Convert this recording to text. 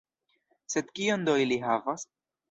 Sed kion do ili havas?